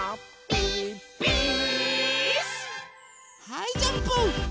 はいジャンプ！